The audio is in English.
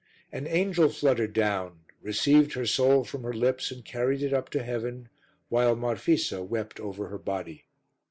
An angel fluttered down, received her soul from her lips and carried it up to heaven, while Marfisa wept over her body.